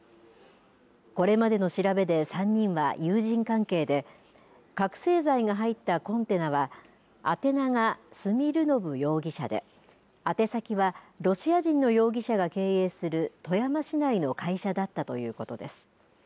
これまでの調べで３人は友人関係で覚醒剤が入ったコンテナは宛名がスミルノブ容疑者で宛先はロシア人の容疑者が経営する富山市内の会社だったということです。